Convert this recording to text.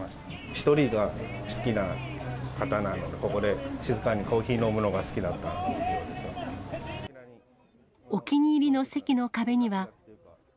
１人が好きな方なので、ここで静かにコーヒーを飲むのが好きだっお気に入りの席の壁には。